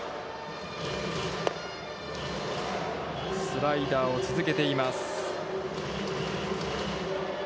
スライダーを続けています。